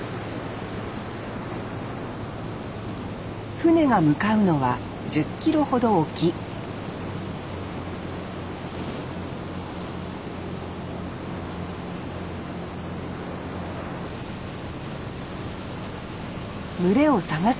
船が向かうのは１０キロほど沖群れを探す